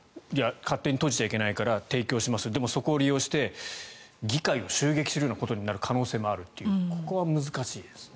勝手に閉じちゃいけないから提供しますでもそこを利用して議会を襲撃するようなことになる可能性もあるというここは難しいですね。